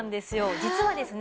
実はですね